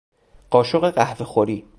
قاشق قهوهخوری